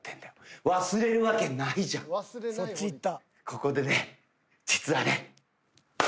そっちいった。